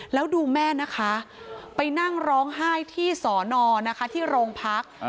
แล้วดูแม่นะคะไปนั่งร้องไห้ที่สอนอนะคะที่โรงพัก